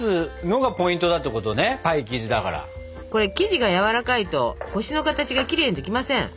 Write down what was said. これ生地がやわらかいと星の形がキレイにできません。